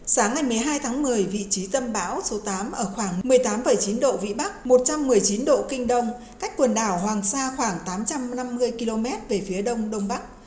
sáng ngày một mươi hai tháng một mươi vị trí tâm bão số tám ở khoảng một mươi tám chín độ vĩ bắc một trăm một mươi chín độ kinh đông cách quần đảo hoàng sa khoảng tám trăm năm mươi km về phía đông đông bắc